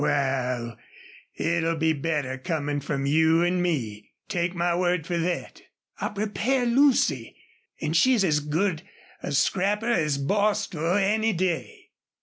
"Wal, it'll be better comin' from you an' me. Take my word fer thet. I'll prepare Lucy. An' she's as good a scrapper as Bostil, any day."